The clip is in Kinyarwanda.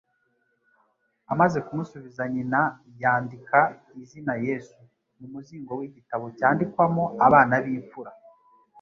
Amaze kumusubiza nyina, yandika izina “Yesu” mu muzingo w'igitabo cyandikwamo abana b'imfura